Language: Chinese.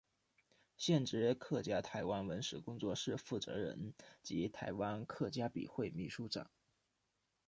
现职客家台湾文史工作室负责人及台湾客家笔会秘书长。